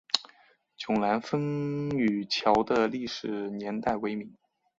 迥澜风雨桥的历史年代为明。